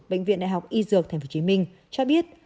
bệnh viện đại học y dược tp hcm cho biết